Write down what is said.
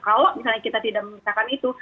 kalau misalnya kita tidak menggunakan itu